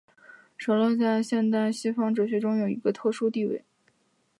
舍勒在现代西方哲学中占有一个特殊地位。